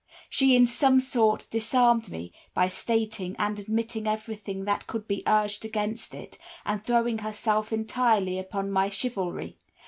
She in some sort disarmed me, by stating and admitting everything that could be urged against it, and throwing herself entirely upon my chivalry.